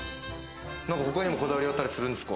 他にもこだわりあったりするんですか？